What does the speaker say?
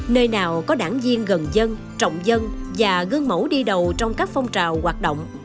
nơi nào có đảng viên gần dân trọng dân và gương mẫu đi đầu trong các phong trào hoạt động